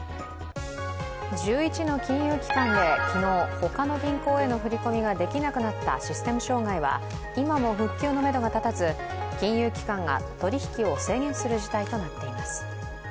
１１の金融機関で昨日、ほかの銀行への振り込みができなくなったシステム障害は、今も復旧のめどが立たず金融機関が取引を制限する事態となっています。